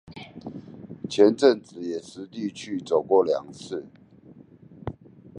前陣子也實地去走過兩次